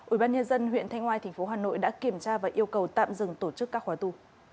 ủy ban nhân dân huyện thanh ngoai tp hà nội đã kiểm tra và yêu cầu tạm dừng tổ chức các khóa tu